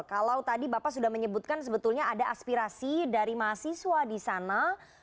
kalau tadi bapak sudah menyebutkan sebetulnya ada aspirasi dari mahasiswa di sana